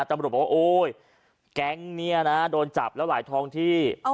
ตำรวจบอกว่าโอ๊ยแก๊งนี้นะโดนจับแล้วหลายท้องที่